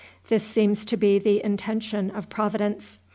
This seems to be the intention of Providence.